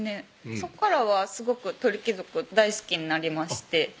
そこからはすごく鳥貴族大好きになりまして